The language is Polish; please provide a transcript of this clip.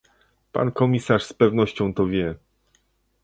Pan komisarz z pewnością to wie